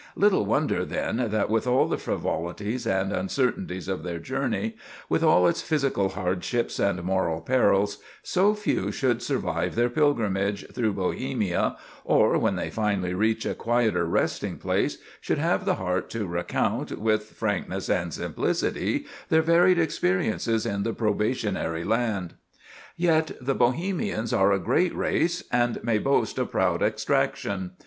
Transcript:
Little wonder, then, that with all the frivolities and uncertainties of their journey, with all its physical hardships and moral perils, so few should survive their pilgrimage through Bohemia, or, when they finally reach a quieter resting place, should have the heart to recount, with frankness and simplicity, their varied experiences in the probationary land. Yet the Bohemians are a great race, and may boast a proud extraction.